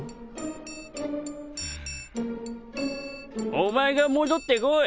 お前が戻って来い。